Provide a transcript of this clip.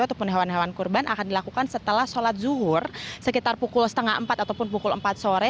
ataupun hewan hewan kurban akan dilakukan setelah sholat zuhur sekitar pukul setengah empat ataupun pukul empat sore